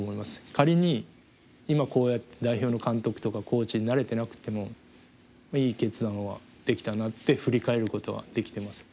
仮に今こうやって代表の監督とかコーチになれてなくてもいい決断はできたなって振り返ることはできてます。